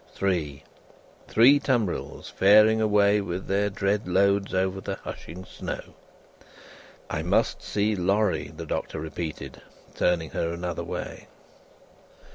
Three. Three tumbrils faring away with their dread loads over the hushing snow. "I must see Lorry," the Doctor repeated, turning her another way.